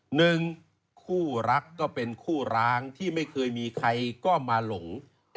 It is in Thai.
หนึ่งคู่รักก็เป็นคู่ร้างที่ไม่เคยมีใครก็มาหลง